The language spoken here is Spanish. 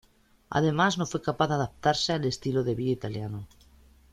Además no fue capaz de adaptarse al estilo de vida italiano.